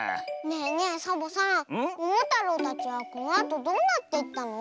ねえねえサボさんももたろうたちはこのあとどうなっていったの？